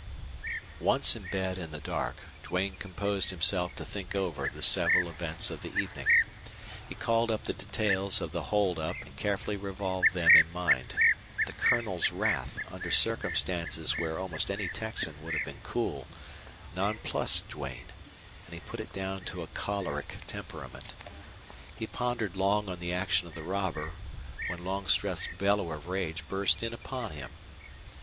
Once in bed in the dark, Duane composed himself to think over the several events of the evening. He called up the details of the holdup and carefully revolved them in mind. The Colonel's wrath, under circumstances where almost any Texan would have been cool, nonplussed Duane, and he put it down to a choleric temperament. He pondered long on the action of the robber when Longstreth's bellow of rage burst in upon him.